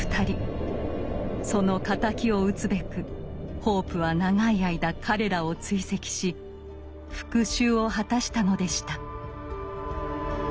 その敵を討つべくホープは長い間彼らを追跡し復讐を果たしたのでした。